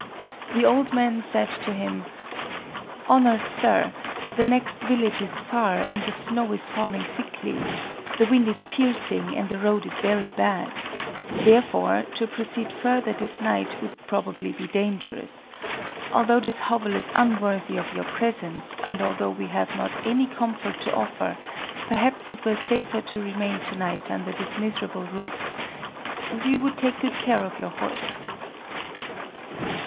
The old man said to him:— "Honored Sir, the next village is far; and the snow is falling thickly. The wind is piercing; and the road is very bad. Therefore, to proceed further this night would probably be dangerous. Although this hovel is unworthy of your presence, and although we have not any comfort to offer, perhaps it were safer to remain to night under this miserable roof... We would take good care of your horse."